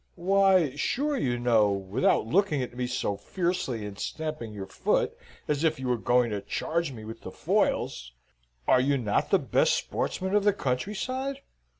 "Why, sure you know, without looking at me so fiercely, and stamping your foot, as if you were going to charge me with the foils. Are you not the best sportsman of the country side?